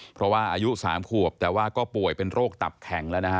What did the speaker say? เพราะว่าอายุ๓ขวบแต่ว่าก็ป่วยเป็นโรคตับแข็งแล้วนะฮะ